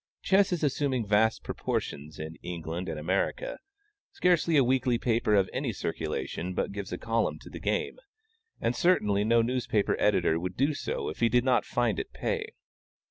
Chess is assuming vast proportions in England and America: scarcely a weekly paper of any circulation but gives a column to the game; and certainly no newspaper editor would do so if he did not find it pay.